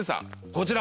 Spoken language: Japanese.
こちら。